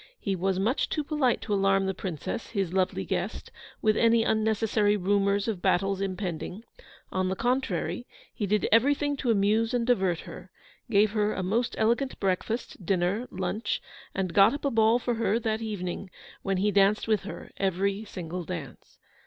He was much too polite to alarm the Princess, his lovely guest, with any unnecessary rumours of battles impending; on the contrary, he did everything to amuse and divert her; gave her a most elegant breakfast, dinner, lunch, and got up a ball for her that evening, when he danced with her every single dance.